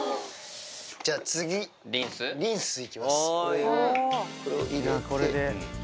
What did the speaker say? じゃあ次、リンスいきます。